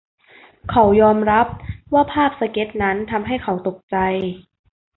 เขายอมรับว่าภาพสเก๊ตช์นั้นทำให้เขาตกใจ